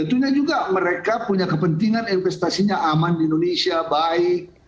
tentunya juga mereka punya kepentingan investasinya aman di indonesia baik